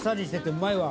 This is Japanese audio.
うまいな。